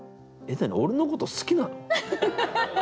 俺のこと好きなの？